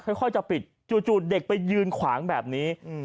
ค่อยจะปิดจู่เด็กไปยืนขวางแบบนี้